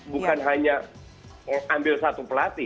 bukan hanya ambil satu pelatih